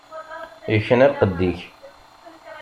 Ikna lqedd-ik.